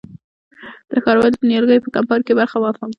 د ښاروالۍ د نیالګیو په کمپاین کې برخه واخلم؟